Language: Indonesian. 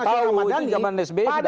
itu jaman sby sudah ada